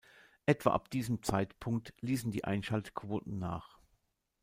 Etwa ab diesem Zeitpunkt ließen die Einschaltquoten nach.